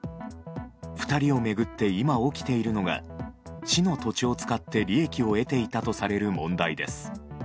２人を巡って今起きているのが市の土地を使って利益を得ていたとされる問題です。